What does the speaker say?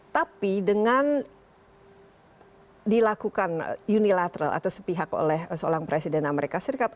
tapi dengan dilakukan unilateral atau sepihak oleh seorang presiden amerika serikat